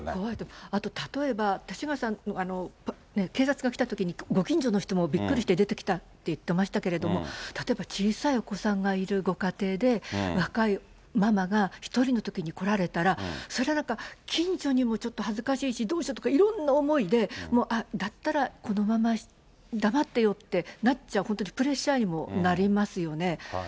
あと例えば、勅使河原さん、警察が来たときに、ご近所の人もびっくりして出てきたって言ってましたけれども、例えば、小さいお子さんがいるご家庭で、若いママが１人のときに来られたら、それは近所にもちょっと恥ずかしいし、どうしようとか、いろんな思いで、だったら、このまま黙ってようってなっちゃう、本当にプレッシャーにもなりますよね。